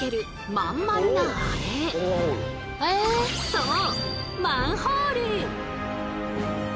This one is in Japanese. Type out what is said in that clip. そう！